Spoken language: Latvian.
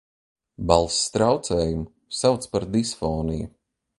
Balss trauc?jumu sauc par disfoniju